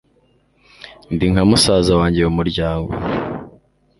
Ndi nka musaza wanjye mu muryango